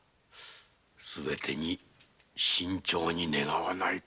すべてに慎重に願わないと。